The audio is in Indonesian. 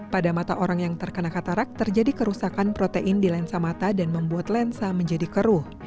pada mata orang yang terkena katarak terjadi kerusakan protein di lensa mata dan membuat lensa menjadi keruh